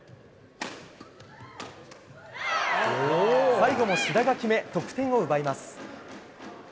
最後も志田が決め得点を奪います。